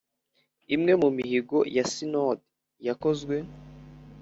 umwe mu mihigo ya sinodi yakozwe